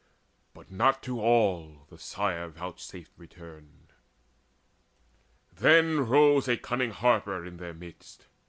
But not to all the Sire vouchsafed return. Then rose a cunning harper in their midst.